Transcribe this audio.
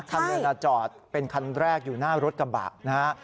คันเรือจอดเป็นคันแรกอยู่หน้ารถกระบะนะฮะ